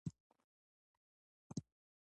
د شپې لخوا د سفر کول کم وي.